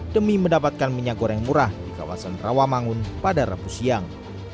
demi mendapatkan minyak goreng murah di kawasan rawamangun pada rabu siang